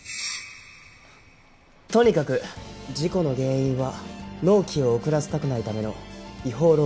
とにかく事故の原因は納期を遅らせたくないための違法労働だった。